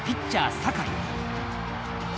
酒井。